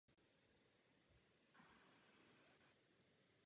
Po sezóně mu vypršela smlouva a k jejímu prodloužení nedošlo.